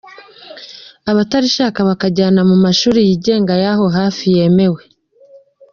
Abatarishaka bakabajyana mu mashuri yigenga y’aho hafi yemewe.